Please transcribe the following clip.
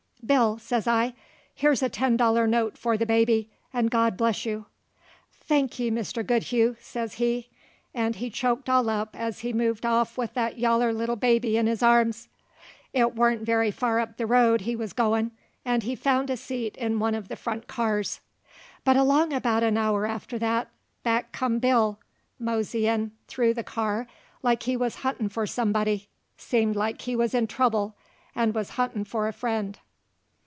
"Bill," says I, "here's a ten dollar note for the baby, 'nd God bless you!" "Thank ye, Mr. Goodhue," says he, 'nd he choked all up as he moved off with that yaller little baby in his arms. It warn't very fur up the road he wuz goin', 'nd he found a seat in one uv the front cars. But along about an hour after that back come Bill, moseyin' through the car like he wuz huntin' for somebody. Seemed like he wuz in trubble and wuz huntin' for a friend.